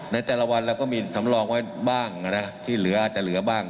ในแต่ละวันเราก็มีสำรองไว้บ้างที่เหลืออาจจะเหลือบ้าง